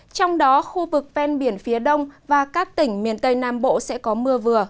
trong đó khu vực ven biển phía đông và các tỉnh miền tây nam bộ sẽ có mưa vừa